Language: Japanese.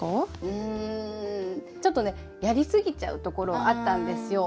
うんちょっとねやりすぎちゃうところあったんですよ。